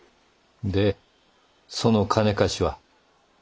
でその金貸しは？